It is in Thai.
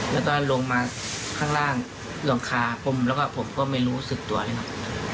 แล้วก็ลงมาข้างล่างหลังคาผมแล้วก็ผมก็ไม่รู้สึกตัวเลยครับ